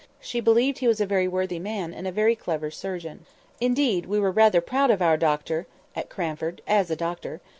she believed he was a very worthy man and a very clever surgeon. Indeed, we were rather proud of our doctor at Cranford, as a doctor.